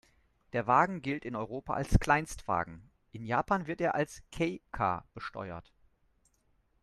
Der Wagen gilt in Europa als Kleinstwagen, in Japan wird er als Kei-Car besteuert.